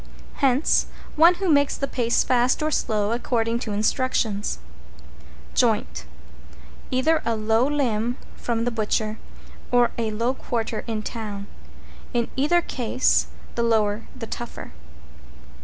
Hence, one who makes the pace fast or slow, according to instructions. =JOINT= Either a low limb from the butcher, or a low quarter in town; in either case the lower the tougher.